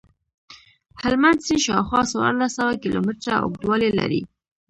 هلمند سیند شاوخوا څوارلس سوه کیلومتره اوږدوالی لري.